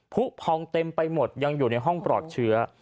ผู้พองเต็มไปหมดยังอยู่ในห้องปลอดเชื้อ